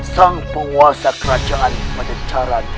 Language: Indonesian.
sang penguasa kerajaan pengejaran